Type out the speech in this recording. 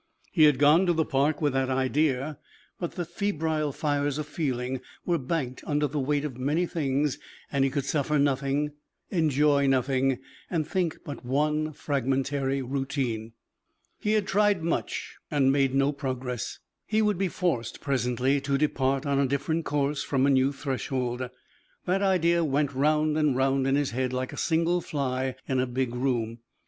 He had gone to the park with that idea. But the febrile fires of feeling were banked under the weight of many things and he could suffer nothing, enjoy nothing and think but one fragmentary routine. He had tried much and made no progress. He would be forced presently to depart on a different course from a new threshold. That idea went round and round in his head like a single fly in a big room.